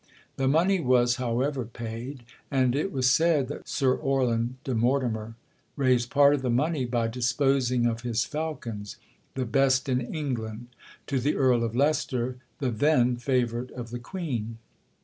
The money was, however, paid; and it was said that Sir Orlan de Mortimer raised part of the money by disposing of his falcons, the best in England, to the Earl of Leicester, the then favourite of the Queen.'